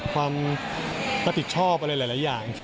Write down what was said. ความรับผิดชอบอะไรหลายอย่าง